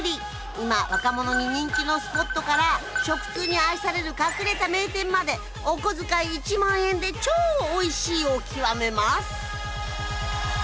今若者に人気のスポットから食通に愛される隠れた名店までおこづかい１万円で超おいしいを極めます！